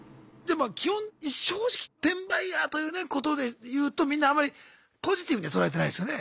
ま基本正直転売ヤーというねことでいうとみんなあんまりポジティブには捉えてないですよね。